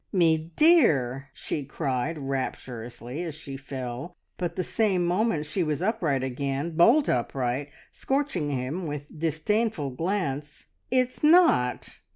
"Me dear!" she cried rapturously, as she fell, but the same moment she was upright again, bolt upright, scorching him with disdainful glance. "It's not!